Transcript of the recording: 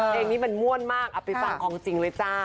เพลงนี้มันม่วนมากเอาไปฟังของจริงเลยจ้า